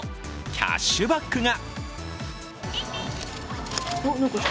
キャッシュバックが。